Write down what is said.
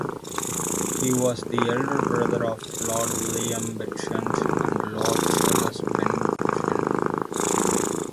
He was the elder brother of Lord William Bentinck and Lord Charles Bentinck.